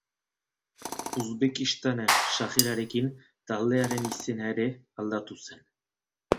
Uzbekistanen sarrerarekin taldearen izena ere aldatu zen.